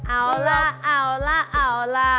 เอาล่ะเอาล่ะเอาล่ะ